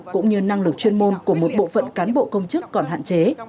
cũng như năng lực chuyên môn của một bộ phận cán bộ công chức còn hạn chế